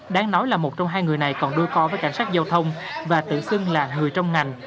đáng nói là một trong hai người này còn đôi co với cảnh sát giao thông và tự xưng là người trong ngành